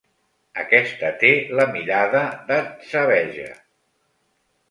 Aquesta té la mirada d'atzabeja.